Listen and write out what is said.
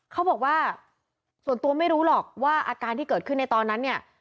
เขาบอกว่าส่วนตัวไม่รู้หรอกว่าอาการที่เกิดขึ้นในตอนนั้นเนี่ย